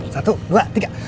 satu dua tiga